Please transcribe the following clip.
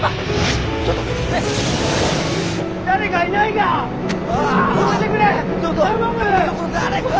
誰かいないか！？